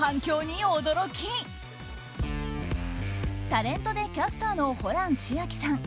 タレントでキャスターのホラン千秋さん。